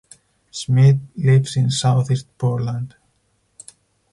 Schmidt lives in Southeast Portland.